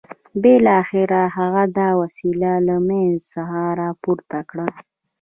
بالاخره هغه دا وسيله له مېز څخه راپورته کړه.